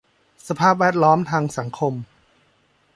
สภาพแวดล้อมทางสังคม